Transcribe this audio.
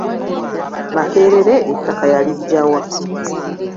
Makerere ettaka yaliggya wa?